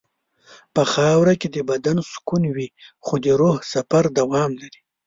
په خاوره کې د بدن سکون وي خو د روح سفر دوام لري.